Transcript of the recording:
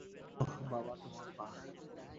ওহ, বাবা, তোমার পা।